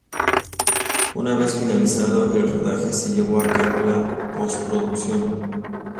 Una vez finalizado el rodaje, se llevó a cabo la postproducción.